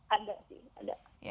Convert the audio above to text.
ada sih ada